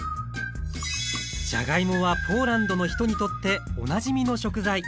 じゃがいもはポーランドの人にとっておなじみの食材。